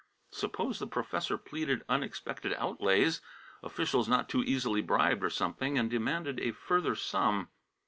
Suppose the professor pleaded unexpected outlays, officials not too easily bribed or something, and demanded a further sum?